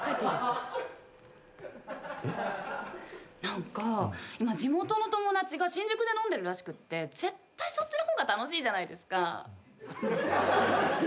何か今地元の友達が新宿で飲んでるらしくって絶対そっちの方が楽しいじゃないですか。